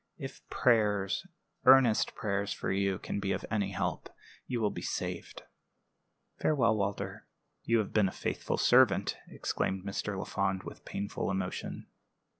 "If prayers, earnest prayers for you, can be of any help, you will be saved." "Farewell, Walter. You have been a faithful servant," exclaimed Mr. Lafond, with painful emotion.